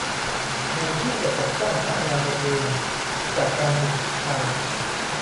แทนที่จะปกป้องพนักงานตัวเอง จากการถูกคุกคาม